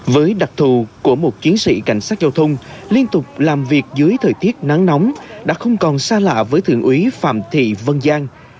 với đặc thù của một chiến sĩ cảnh sát giao thông liên tục làm việc dưới thời tiết nắng nóng đã không còn xa lạ với thượng úy phạm thị vân giang